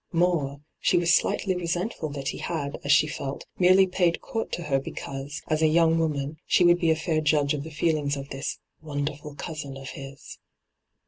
More, she was slightly resentful that he had, as she felt, merely paid court to her because, as a young woman, she hyGoogIc """ 2o6 ENTRAPPED would be a &ir judge of the feelings of this ' wonderfiil cousin of his.'